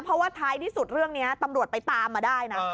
เพราะว่าท้ายที่สุดเรื่องนี้ตำรวจไปตามมาได้นะ